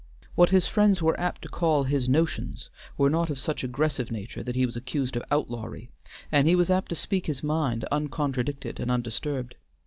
What his friends were apt to call his notions were not of such aggressive nature that he was accused of outlawry, and he was apt to speak his mind uncontradicted and undisturbed.